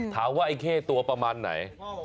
ถามว่าไอ้เคตัวประมาณไหน